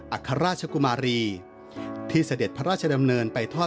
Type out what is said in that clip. อาคารราชกุมารีที่เสด็จพระราชดำเนินไปทอด